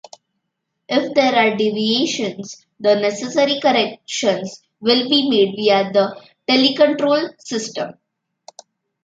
If there are deviations, the necessary corrections will be made via the telecontrol system.